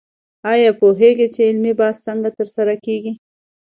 آیا پوهېږئ چې علمي بحث څنګه ترسره کېږي؟